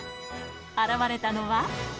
現れたのは。